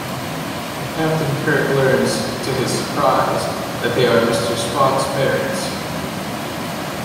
Captain Kirk learns, to his surprise, that they are Mr. Spock's parents.